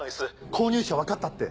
購入者分かったって。